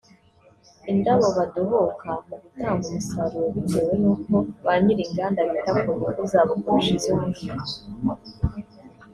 indabo badohoka mu gutanga umusaruro bitewe nuko ba nyir’inganda bita ku nyungu zabo kurusha iz’umuhinzi